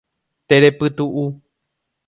Terepytu'u